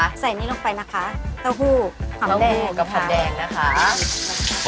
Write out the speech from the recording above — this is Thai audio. ใส่นี่ลงไปนะคะตาหู้ความแดงความแดงนะคะตาหู้กับความแดงนะคะ